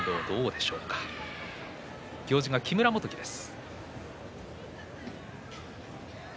行司は木村元基です。